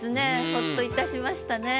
ホッといたしましたね。